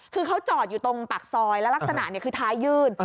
คือเขาจอดอยู่ตรงปากซอยแล้วลักษณะคือท้ายยื่น